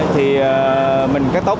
thì mình cắt tóc